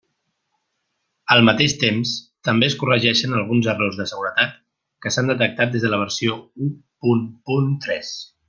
Al mateix temps, també es corregeixen alguns errors de seguretat que s'han detectat des de la versió u punt punt tres.